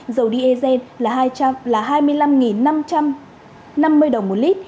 dầu diesel là hai mươi năm năm trăm năm mươi đồng một lít